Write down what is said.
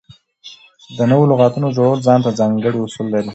د نوو لغاتونو جوړول ځان ته ځانګړي اصول لري.